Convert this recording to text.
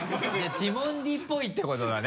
ティモンディっぽいってことだね